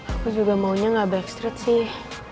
aku juga maunya ga backstreet sih